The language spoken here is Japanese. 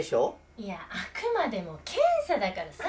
いやあくまでも検査だからさ。